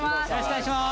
お願いします。